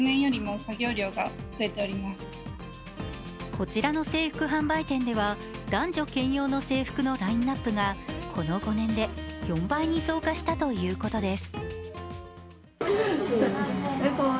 こちらの制服販売店では男女兼用の制服のラインナップがこの５年で４倍に増加したということです。